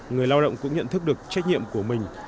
người lao động cũng nhận thức được trách nhiệm của mình